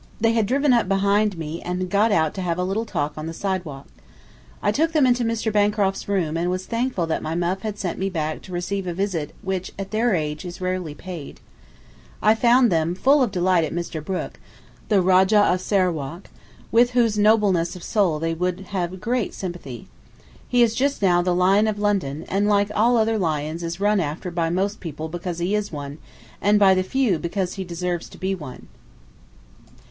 They had driven up behind me and got out to have a little talk on the sidewalk. I took them into Mr. Bancroft's room and was thankful that my muff had sent me back to receive a visit which at their age is rarely paid. ... I found them full of delight at Mr. Brooke, the Rajah of Sarawak, with whose nobleness of soul they would have great sympathy. He is just now the lion of London, and like all other lions is run after by most people because he is one, and by the few because he deserves to be one.